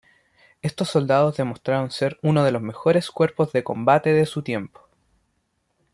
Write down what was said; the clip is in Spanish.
Estos soldados demostraron ser uno de los mejores cuerpos de combate de su tiempo.